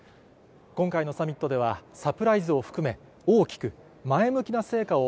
今回のサミットでは、サプライズを含め、大きく、前向きな成果を